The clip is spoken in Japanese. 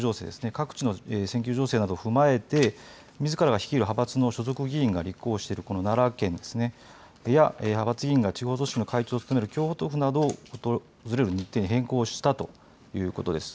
各地の選挙情勢などを踏まえてみずからが率いる派閥の所属議員が立候補している奈良県や派閥議員が地方都市の会長などを務める京都府などを訪れる日程に変更したということです。